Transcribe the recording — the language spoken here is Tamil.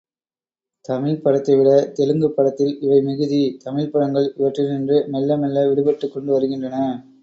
தமிழ்ப்படத்தைவிட தெலுங் குப் படத்தில் இவை மிகுதி, தமிழ்ப்படங்கள் இவற்றி னின்று மெல்ல மெல்ல விடுபட்டுக் கொண்டு வருகின்றன.